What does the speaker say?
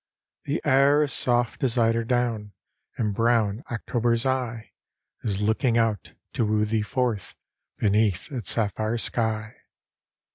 The air is soft as eider down ; And brown October's eye Is looking out to woo thee forth Beneath its sapphire sky.